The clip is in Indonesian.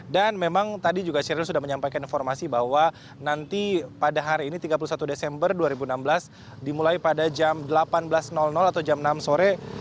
dan memang tadi juga sheryl sudah menyampaikan informasi bahwa nanti pada hari ini tiga puluh satu desember dua ribu enam belas dimulai pada jam delapan belas atau jam enam sore